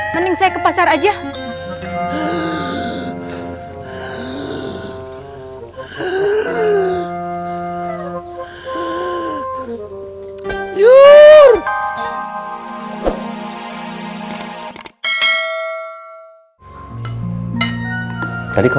mending saya ke pasar aja